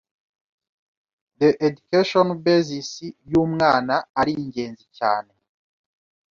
the educational basis y'umwana ari ngenzi cyane,